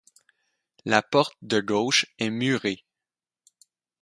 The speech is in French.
La porte de gauche est murée.